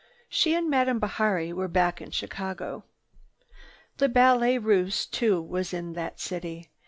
She and Madame Bihari were back in Chicago. The Ballet Russe, too, was in that city.